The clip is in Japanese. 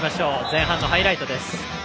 前半のハイライトです。